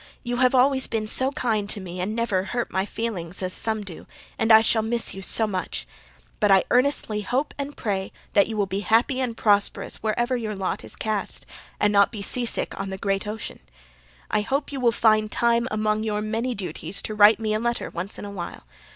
You have always been SO KIND to me and never hurt my feelings AS SOME DO and I shall miss you SO MUCH. But I earnestly HOPE AND PRAY that you will be HAPPY AND PROSPEROUS wherever YOUR LOT IS CAST and not be seasick on THE GREAT OCEAN. I hope you will find time AMONG YOUR MANY DUTIES to write me a letter ONCE IN A WHILE.